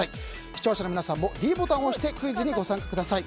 視聴者の皆さんもｄボタンを押して、クイズにご参加ください。